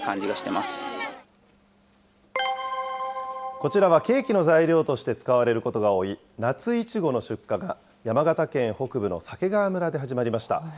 こちらはケーキの材料として使われることが多い、夏いちごの出荷が、山形県北部の鮭川村で始まりました。